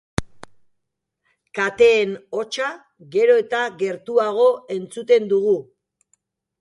Kateen hotsa gero eta gertuago entzuten dugu.